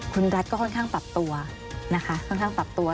คุณรัฐก็ค่อนข้างปรับตัวนะคะค่อนข้างปรับตัว